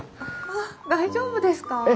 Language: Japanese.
あっ大丈夫ですか？